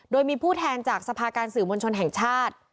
โดยมีผู้แทนจากสภาการสื่อมวลชนแห่งชาติ